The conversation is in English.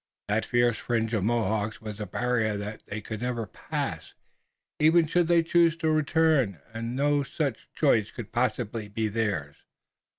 That fierce fringe of Mohawks was a barrier that they could never pass, even should they choose to return, and no such choice could possibly be theirs!